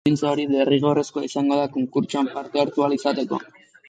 Baldintza hori derrigorrezkoa izango da konkurtsoan parte hartu ahal izateko.